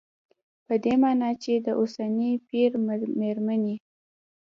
په دې مانا چې د اوسني پېر مېرمنې